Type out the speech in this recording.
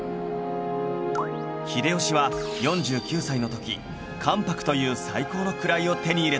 秀吉は４９歳の時関白という最高の位を手に入れたんだ